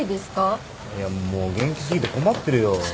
いやもう元気過ぎて困ってるよ。